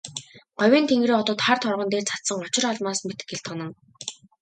Говийн тэнгэрийн одод хар торгон дээр цацсан очир алмаас мэт гялтганан.